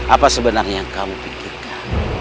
apa sebenarnya yang kami pikirkan